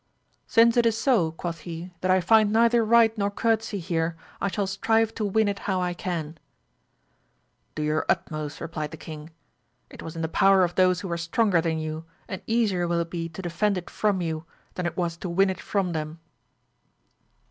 Since it is so, quoth he, that I find neither right nor courtesy here, I shall strive to win it how I can» Do your utmost, replied the king, it was in the power of those who were stronger than you, and easier will it be to defend it from you, than it was to win it from them.